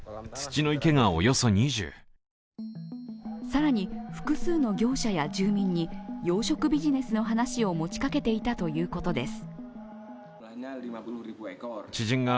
更に、複数の業者や住民に養殖ビジネスの話を持ちかけていたということです。